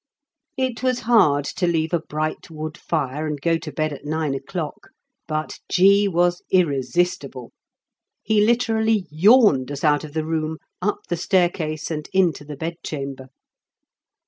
It was hard to leave a bright wood fire and go to bed at nine o'clock; but G. was irresistible. He literally yawned us out of the room, up the staircase, and into the bed chamber.